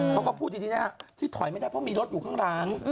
เขาก็พูดดีนะที่ถอยไม่ได้เพราะมีรถอยู่ข้างร้าง